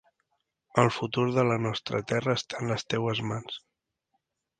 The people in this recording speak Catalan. El futur de la nostra terra està a les teues mans.